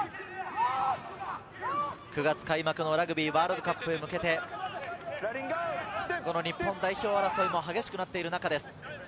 ９月開幕のラグビーワールドカップへ向けて、日本代表争いも激しくなっている中です。